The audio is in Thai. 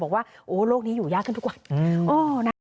บอกว่าโอ้โลกนี้อยู่ยากขึ้นทุกวัน